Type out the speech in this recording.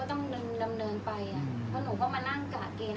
อันไหนที่มันไม่จริงแล้วอาจารย์อยากพูด